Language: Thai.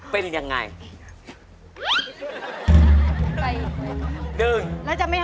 เป็นยังไง